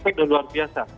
itu luar biasa